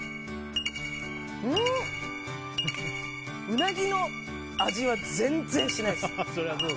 うなぎの味は全然しないです。